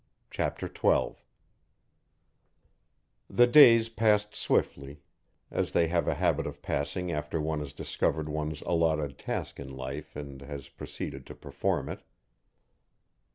CHAPTER XII The days passed swiftly, as they have a habit of passing after one has discovered one's allotted task in life and has proceeded to perform it.